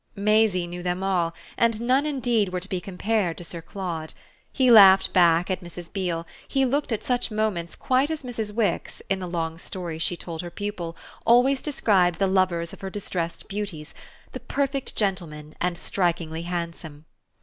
Maisie knew them all, and none indeed were to be compared to Sir Claude. He laughed back at Mrs. Beale; he looked at such moments quite as Mrs. Wix, in the long stories she told her pupil, always described the lovers of her distressed beauties "the perfect gentleman and strikingly handsome."